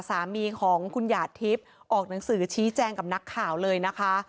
สามีของคุณหยาดทิพย์ออกหนังสือชี้แจงกับนักข่าวเลยนะคะ